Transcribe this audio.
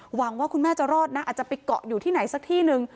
หวังว่าคุณแม่จะรอดนะอาจจะไปเกาะอยู่ที่ไหนสักที่หนึ่ง